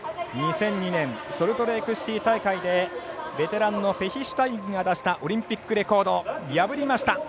２００２年ソルトレークシティー大会でベテランのペヒシュタインが出したオリンピックレコード破りました。